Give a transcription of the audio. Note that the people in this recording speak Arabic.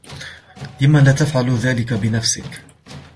لم لا تفعل ذلك بنفسك؟